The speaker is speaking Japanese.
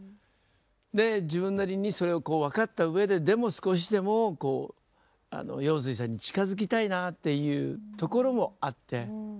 で自分なりにそれをこう分かったうえででも少しでもこう陽水さんに近づきたいなっていうところもあって。